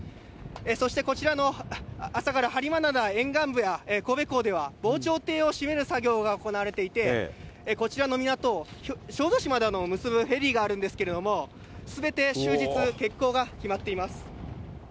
そしてこちらの朝から播磨灘沿岸部や神戸港では、防潮堤を閉める作業が行われていて、こちらの港、小豆島とを結ぶフェリーがあるんですけれども、すべて終日、欠航が決まっています。